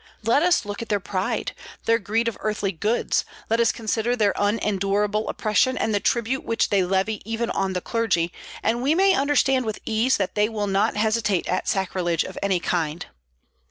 Let us look at their pride, their greed of earthly goods, let us consider their unendurable oppression and the tribute which they levy even on the clergy, and we may understand with ease that they will not hesitate at sacrilege of any kind."